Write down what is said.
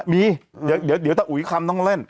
มีเดี๋ยวตะอุ๋ยคำต้องเล่น